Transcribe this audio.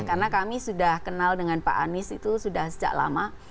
karena kami sudah kenal dengan pak anies itu sudah sejak lama